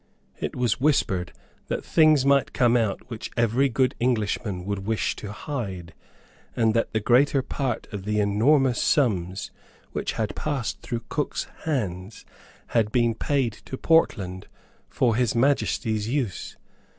It was whispered that things might come out which every good Englishman would wish to hide, and that the greater part of the enormous sums which had passed through Cook's hands had been paid to Portland for His Majesty's use.